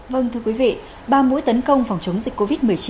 vâng thưa quý vị ba mũi tấn công phòng chống dịch covid một mươi chín